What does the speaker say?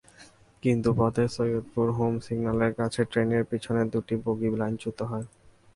কিন্তু পথে সৈয়দপুর হোম সিগন্যালের কাছে ট্রেনের পেছনের দুটি বগি লাইনচ্যুত হয়।